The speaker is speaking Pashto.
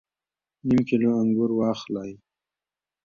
نیم کیلو انګور واخلئ